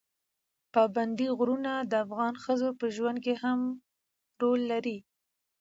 پابندي غرونه د افغان ښځو په ژوند کې هم رول لري.